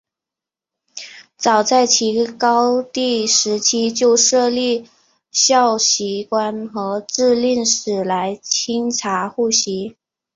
早在齐高帝时期就设立校籍官和置令史来清查户籍。